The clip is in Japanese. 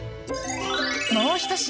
もう一品。